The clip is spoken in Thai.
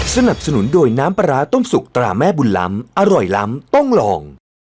สนับสนุนโดยน้ำปลาร้าต้มสุกตราแม่บุญล้ำอร่อยล้ำต้องลอง